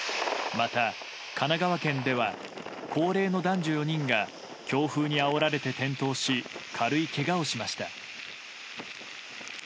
また、神奈川県では高齢の男女４人が強風にあおられて転倒し軽いけがをしました。